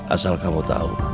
asal kamu tahu